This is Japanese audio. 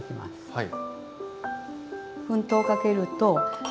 はい。